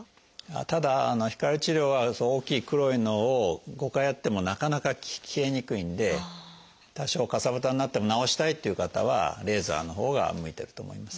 ただ光治療は大きい黒いのを５回やってもなかなか消えにくいんで多少かさぶたになっても治したいっていう方はレーザーのほうが向いてると思います。